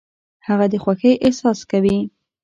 هغه د خوښۍ احساس کوي .